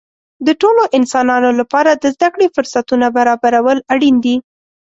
د ټولو انسانانو لپاره د زده کړې فرصتونه برابرول اړین دي.